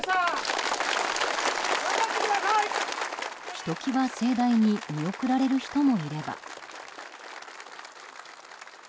ひときわ盛大に見送られる人もいれば。